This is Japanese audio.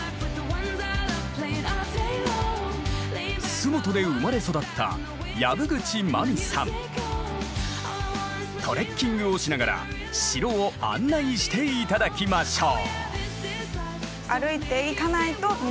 洲本で生まれ育ったトレッキングをしながら城を案内して頂きましょう。